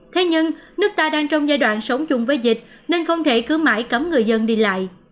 thế nhưng nước ta đang trong giai đoạn sống chung với dịch nên không thể cứ mãi cấm người dân đi lại